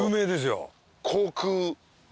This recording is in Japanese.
航空。